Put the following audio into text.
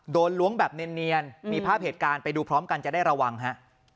ล้วงแบบเนียนมีภาพเหตุการณ์ไปดูพร้อมกันจะได้ระวังฮะ